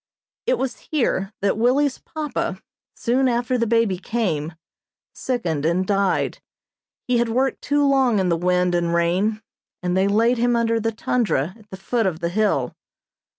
It was here that Willie's papa, soon after the baby came, sickened and died. He had worked too long in the wind and rain, and they laid him under the tundra at the foot of the hill.